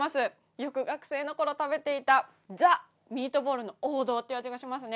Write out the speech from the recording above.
よく学生のころ食べていたザ・ミートボールの王道という味がしますね。